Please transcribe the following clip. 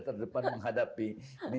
garda terdepan menghadapi